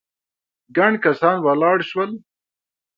ګڼ کسان ولاړ شول.